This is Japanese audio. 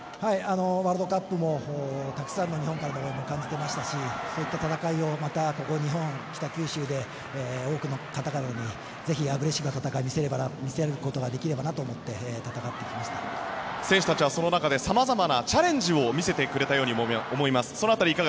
ワールドカップもたくさんの日本からの応援を感じていましたしそういった戦いをここ、日本の北九州で多くの方々にぜひアグレッシブな戦いを見せることができればなと思って選手たちはその中で様々なチャレンジを見せてくれたようにも思います。